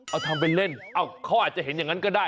เอาทำเป็นเล่นเขาอาจจะเห็นอย่างนั้นก็ได้